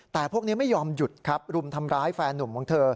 แต่พวกนี้ไม่ยอมหยุดครับรุมทำร้ายแฟนนุ่มของเธอ